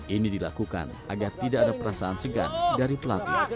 ini dilakukan agar tidak ada perasaan segan dari pelatih